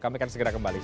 kami akan segera kembali